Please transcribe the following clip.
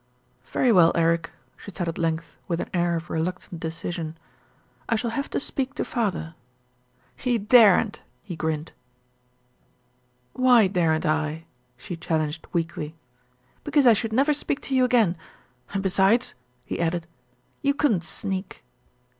"Very well, Eric," she said at length, with an air of reluctant decision. "I shall have to speak to father." "You daren't," he grinned. "Why daren't I ?" she challenged weakly. "Because I should never speak to you again, and besides," he added, "you couldn't sneak."